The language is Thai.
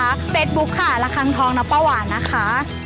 เฟซบุ๊คค่ะระคังทองนะป้าหวานนะคะ